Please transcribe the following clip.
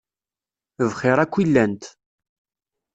Bxiṛ akk i llant.